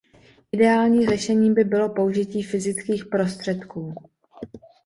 Ideální řešení by bylo použití fyzických prostředků.